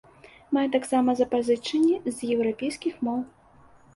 Мае таксама запазычанні з еўрапейскіх моў.